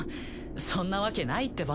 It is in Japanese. そんなわけないってば。